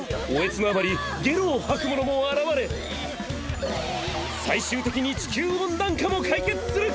嗚咽のあまりゲロを吐く者も現れ最終的に地球温暖化も解決する！